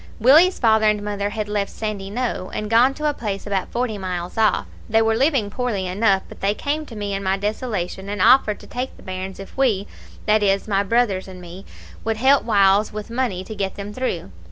"Willie's father and mother had left Sandyknowe, and gone to a place about forty miles off. They were living poorly enough, but they came to me in my desolation, and offered to take the bairns if we that is, my brothers and me would help whiles with money to get them through.